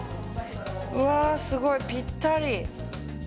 うわすごいぴったり。